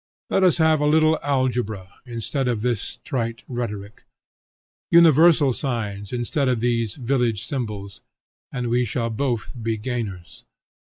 Let us have a little algebra, instead of this trite rhetoric, universal signs, instead of these village symbols, and we shall both be gainers.